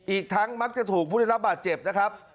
อีกทั้งมากจะถูกผู้ถูกผู้ได้รับบาดเจ็บ